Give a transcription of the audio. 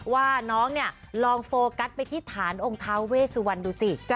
ว่าน้องเนี่ยลองโฟกัสไปที่ฐานองค์ท้าเวสุวรรณดูสิ